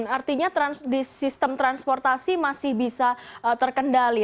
artinya di sistem transportasi masih bisa terkendali